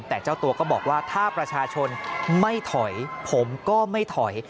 แต่เจ้าตัวก็บอกว่าถ้าประชาชนไม่ถอยผมก็ไม่ถอย